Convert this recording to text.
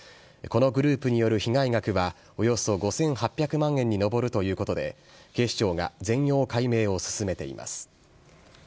このグループによる被害額はおよそ５８００万円に上るということで、警視庁が全容解明を進めています。